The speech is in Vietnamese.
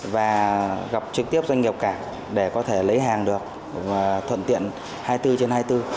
và gặp trực tiếp doanh nghiệp cảng để có thể lấy hàng được thuận tiện hai mươi bốn trên hai mươi bốn